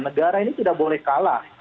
negara ini tidak boleh kalah